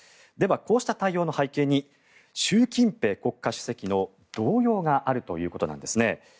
では、こうした対応の背景に習近平国家主席の動揺があるということなんですね。